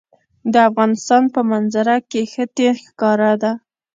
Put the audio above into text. د افغانستان په منظره کې ښتې ښکاره ده.